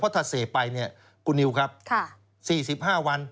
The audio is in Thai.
เพราะถ้าเสพไปเนี่ยคุณนิวครับค่ะสี่สิบห้าวัน